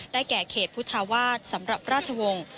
แก่เขตพุทธาวาสสำหรับราชวงศ์